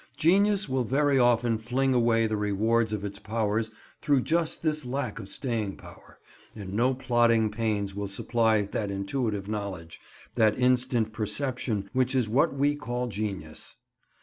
Genius will very often fling away the rewards of its powers through just this lack of staying power, and no plodding pains will supply that intuitive knowledge, that instant perception, which is what we call genius.